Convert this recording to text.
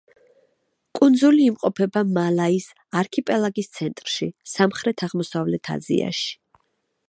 კუნძული იმყოფება მალაის არქიპელაგის ცენტრში, სამხრეთ-აღმოსავლეთ აზიაში.